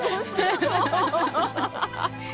アハハハハ。